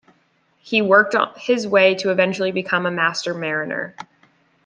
He worked his way to eventually become a master mariner.